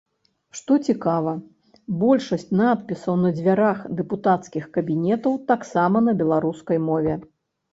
Што цікава, большасць надпісаў на дзвярах дэпутацкіх кабінетаў таксама на беларускай мове.